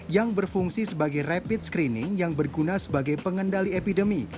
yang berfungsi sebagai rapid screening yang berguna sebagai pengendali epidemi